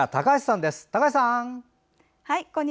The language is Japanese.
高橋さん！